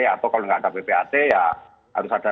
atau kalau nggak ada ppat ya harus ada